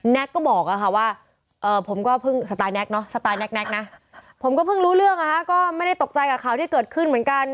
ก็บอกว่าผมก็เพิ่งสไตล์แก๊กเนาะสไตล์แน็กนะผมก็เพิ่งรู้เรื่องก็ไม่ได้ตกใจกับข่าวที่เกิดขึ้นเหมือนกัน